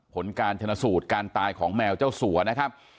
ผลการชนะสูตรการตายของแมวเจ้าสัวนะครับ